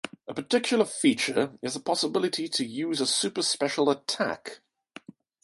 A particular feature is the possibility to use a super special attack.